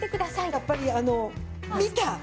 やっぱりあの見た！？